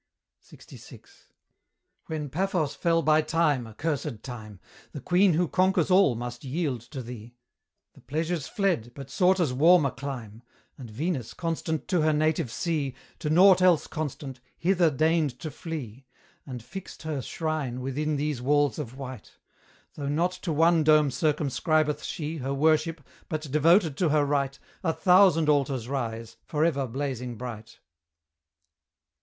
LXVI. When Paphos fell by Time accursed Time! The Queen who conquers all must yield to thee The Pleasures fled, but sought as warm a clime; And Venus, constant to her native sea, To nought else constant, hither deigned to flee, And fixed her shrine within these walls of white; Though not to one dome circumscribeth she Her worship, but, devoted to her rite, A thousand altars rise, for ever blazing bright.